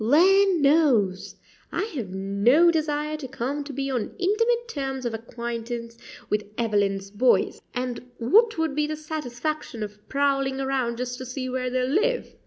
Land knows! I have no desire to come to be on intimate terms of acquaintance with Evelyn's boys; and what would be the satisfaction of prowling around just to see where they live?